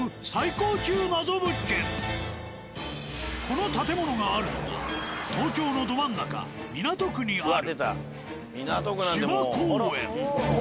この建物があるのが東京のど真ん中港区にある芝公園。